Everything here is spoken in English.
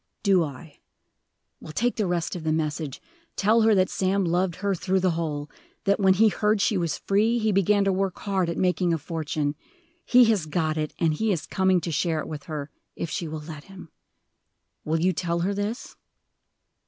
"Do I? Well, take the rest of the message. Tell her that Sam loved her through the whole; that, when he heard she was free, he began to work hard at making a fortune. He has got it; and he is coming to share it with her, if she will let him. Will you tell her this?"